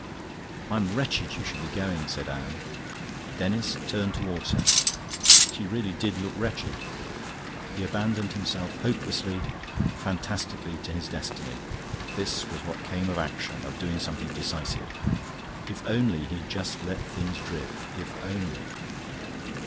"I am wretched you should be going," said Anne. Denis turned towards her; she really did look wretched. He abandoned himself hopelessly, fatalistically to his destiny. This was what came of action, of doing something decisive. If only he'd just let things drift! If only...